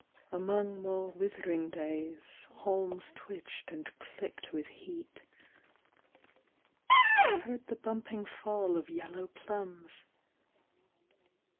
Among more withering days Haulms twitched and clicked with heat. I heard the bumping fall Of yellow plums.